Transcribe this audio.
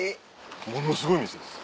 ものすごい店です。